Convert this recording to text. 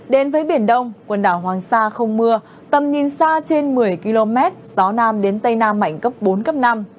đến với biển đông quần đảo hoàng sa không mưa tầm nhìn xa trên một mươi km gió nam đến tây nam mạnh cấp bốn cấp năm